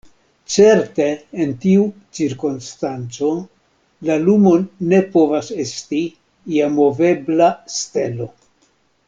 Certe en tiu cirkonstanco la lumo ne povas esti ia movebla stelo.